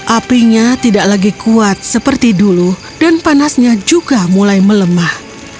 apinya tidak lagi kuat seperti dulu dan panasnya juga mulai melemah